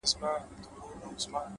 o دې يوه لمن ښكلا په غېږ كي ايښې ده ـ